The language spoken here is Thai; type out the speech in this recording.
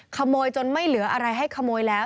ขโมยจนไม่เหลืออะไรให้ขโมยแล้ว